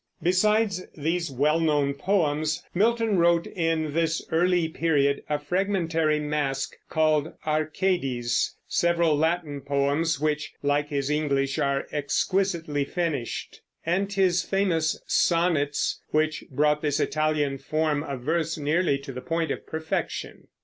Besides these well known poems, Milton wrote in this early period a fragmentary masque called "Arcades"; several Latin poems which, like his English, are exquisitely finished; and his famous "Sonnets," which brought this Italian form of verse nearly to the point of perfection.